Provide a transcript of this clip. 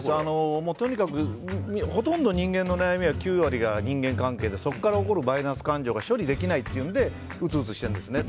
とにかくほとんど人間の悩みは９割が人間関係でそこから起こるマイナス感情が処理できないということで鬱々しているんですね。